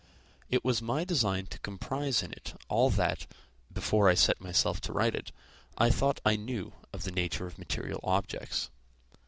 It was my design to comprise in it all that, before I set myself to write it, I thought I knew of the nature of material objects.